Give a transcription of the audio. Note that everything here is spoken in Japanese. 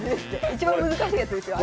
一番難しいやつですよ